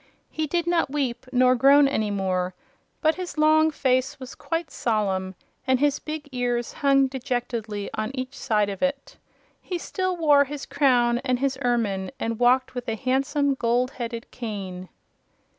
He did not weep nor groan any more, but his long face was quite solemn and his big ears hung dejectedly on each side of it. He still wore his crown and his ermine and walked with a handsome gold headed cane.